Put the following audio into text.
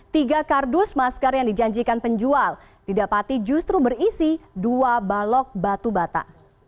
tiga kardus masker yang dijanjikan penjual didapati justru berisi dua balok batu bata